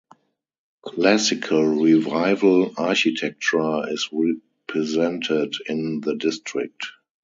Classical Revival architecture is represented in the district.